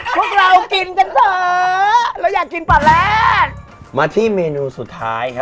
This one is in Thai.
พวกเรากินกันเถอะเราอยากกินปลาร้ามาที่เมนูสุดท้ายครับ